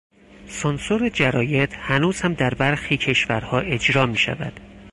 سانسور جراید هنوز هم در برخی کشورها اجرا میشود.